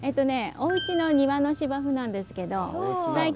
おうちの庭の芝生なんですけど最近。